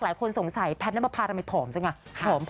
หลายคนสงสัยแพทย์ณปภาทำไมผอมจริงอ่ะ